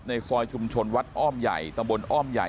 ในซอยชุมชนวัดอ้อมใหญ่ตำบลอ้อมใหญ่